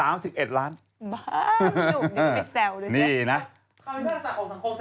บ้าอ้าวไม่หยุ่งดูไม่แสวดูเซ็ต